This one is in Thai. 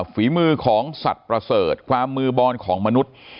ฝีมือของสัตว์ประเสริฐความมือบอนของมนุษย์